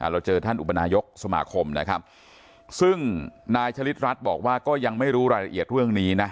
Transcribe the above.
เราเจอท่านอุปนายกสมาคมนะครับซึ่งนายชะลิดรัฐบอกว่าก็ยังไม่รู้รายละเอียดเรื่องนี้นะ